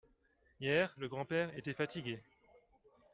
Hier, le grand-père était fatigué.